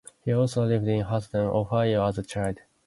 He also lived in Hudson, Ohio as a child.